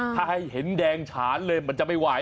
ถ้าให้เห็นแดงฉานเลยมันจะไม่ไหว